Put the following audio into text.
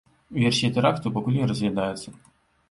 Версія тэракту пакуль не разглядаецца.